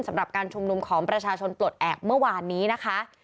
สำหรับการชุมนุมของประชาชนปลดแอบเมื่อวานนี้นะคะ